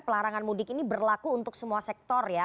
pelarangan mudik ini berlaku untuk semua sektor ya